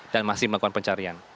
dan masih melakukan pencarian